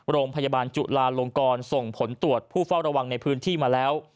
โรงพยาบาลจุลาลงกรส่งผลตรวจผู้เฝ้าระวังในพื้นที่มาแล้ว